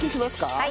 はい。